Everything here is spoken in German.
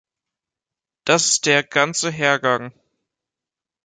Das ist der ganze Hergang.